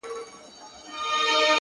د ډوډۍ پر وخت به خپل قصر ته تلله-